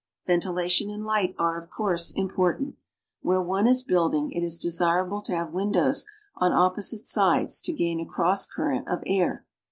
Ventilation and light are, of course, important. Where one is building, it is desirable to have windows on opposite sides to gain a cross current of air.